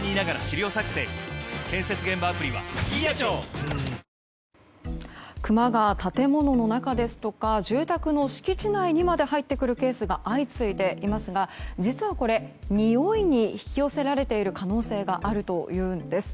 ニトリクマが建物の中ですとか住宅の敷地内にまで入ってくるケースが相次いでいますが実はこれ、においに引き寄せられている可能性があるというんです。